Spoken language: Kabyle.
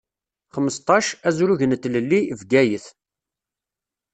Xmesṭac, azrug n Tlelli, Bgayet.